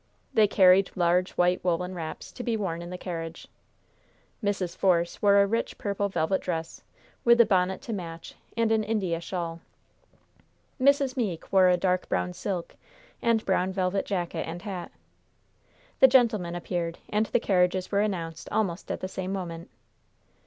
They carried large white woolen wraps, to be worn in the carriage. Mrs. Force wore a rich purple velvet dress, with a bonnet to match, and an India shawl. Miss Meeke wore a dark brown silk, and brown velvet jacket and hat. The gentlemen appeared, and the carriages were announced almost at the same moment.